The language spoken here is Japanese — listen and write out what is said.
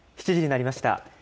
７時になりました。